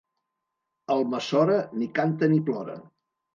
Almassora ni canta ni plora.